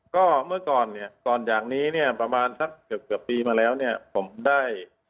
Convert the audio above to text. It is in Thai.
ก็เมื่อก่อนเนี่ยประมาณสักเกือบปีมาแล้วผมได้